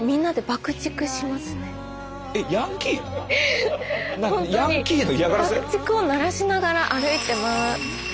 爆竹を鳴らしながら歩いて回る。